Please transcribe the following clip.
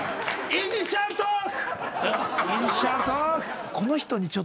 イニシャルトーク。